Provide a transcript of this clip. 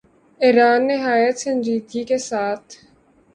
ایران نہایت سنجیدگی کے ساتھ